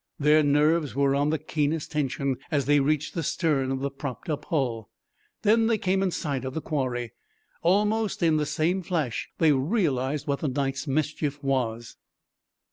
Their nerves were on the keenest tension as they reached the stern of the propped up hull. Then they came in sight of the quarry. Almost in the same flash they realized what the night's mischief was.